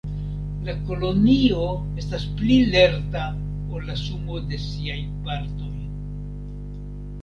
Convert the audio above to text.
La kolonio estas pli lerta ol la sumo de siaj partoj.